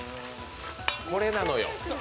これなのよ。